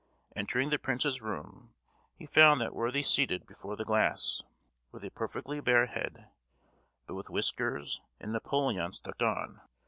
Entering the prince's room, he found that worthy seated before the glass, with a perfectly bare head, but with whiskers and napoleon stuck on.